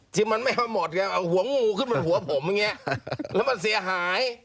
ที่มันไม่มาหมดไงเอาหัวงูขึ้นมาหัวผมอย่างนี้แล้วมันเสียหาย